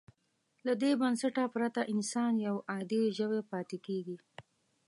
له دې بنسټه پرته انسان یو عادي ژوی پاتې کېږي.